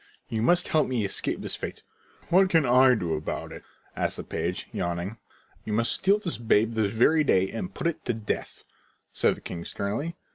"You must help me to escape this fate." "What can I do about it?" asked the page, yawning. "You must steal this babe this very day and put it to death," said the king sternly.